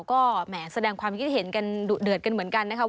ก็แหมแสดงความคิดเห็นกันดุเดือดกันเหมือนกันนะคะ